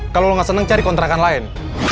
kalau lo gak senang cari kontrakan lain